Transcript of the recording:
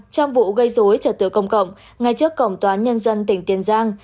trong vụ gây dối trật tự công cộng ngay trước cổng toán nhân dân tỉnh tiền giang